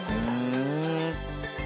ふん。